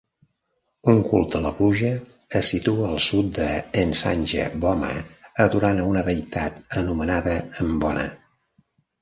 Un culte a la pluja es situa al sud de Nsanje Boma adorant a una deïtat anomenada Mbona.